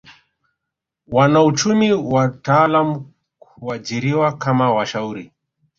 Wanauchumi wataalamu huajiriwa kama washauri